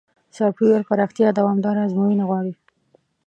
سافټویر پراختیا دوامداره ازموینه غواړي.